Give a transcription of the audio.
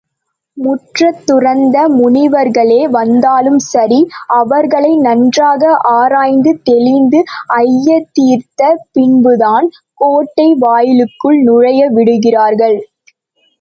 முற்றத்துறந்த முனிவர்களே வந்தாலும் சரி, அவர்களை நன்றாக ஆராய்ந்து தெளிந்து ஐயந்தீர்ந்த பின்புதான் கோட்டை வாயிலுக்குள் நுழைய விடுகின்றார்கள்.